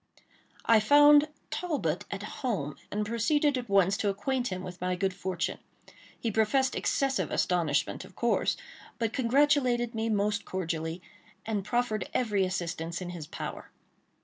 I found Talbot at home, and proceeded at once to acquaint him with my good fortune. He professed excessive astonishment, of course, but congratulated me most cordially, and proffered every assistance in his power.